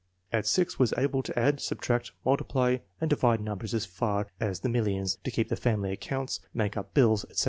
At 6 was able to add, subtract, multiply and divide numbers as far as the millions, to keep the family accounts, make up bilfe, etc.